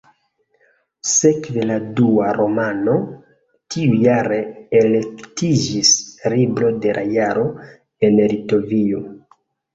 Sekve la dua romano tiujare elektiĝis "Libro de la Jaro" en Litovio.